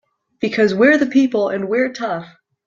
Because we're the people and we're tough!